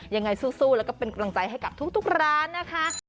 ยังไงสู้แล้วก็เป็นกำลังใจให้กับทุกร้านนะคะ